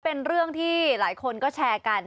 เป็นเรื่องที่หลายคนก็แชร์กัน